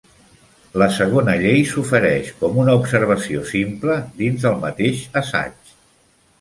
La segona llei s'ofereix com una observació simple dins el mateix assaig.